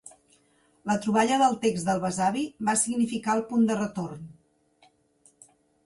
La troballa del text del besavi va significar el punt de retorn.